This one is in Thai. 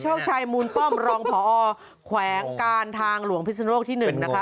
ช่องชายมูลป้อมรองพอแขวงการทางหลวงพิศนุโลกที่หนึ่งนะฮะ